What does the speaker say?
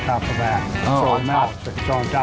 ประดับแรกครับใส่น้ำมันไป